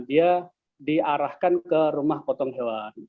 dia diarahkan ke rumah potong hewan